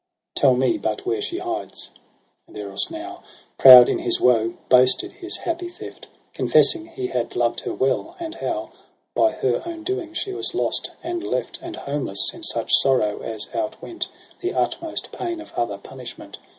23 'TeU me but where she hides.' And Eros now, Proud in his woe, boasted his happy theft : Confessing he had loved her well, and how By her own doing she was lost and left ; And homeless in such sorrow as outwent The utmost pain of other punishment.